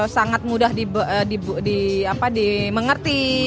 sangat mudah di mengerti